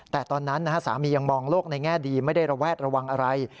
แต่ตอนนั้นสามียังมองโลกในแง่ดีไม่ได้ระแวดระวังอะไร